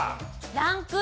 ランク２。